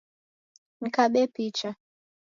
Nikabe picha